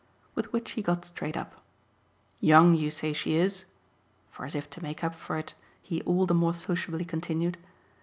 With which he got straight up. "'Young,' you say she is?" for as if to make up for it he all the more sociably continued.